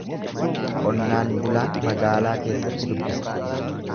Qonnaan bulaan magaalaa keessatti dubbisa.